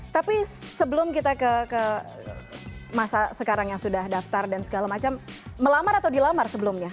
tapi sebelum kita ke masa sekarang yang sudah daftar dan segala macam melamar atau dilamar sebelumnya